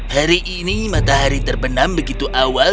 hari ini matahari terbenam begitu awal